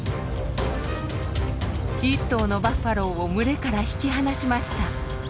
１頭のバッファローを群れから引き離しました。